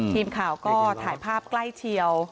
ทีมข่าวก็ถ่ายภาพใกล้เชียว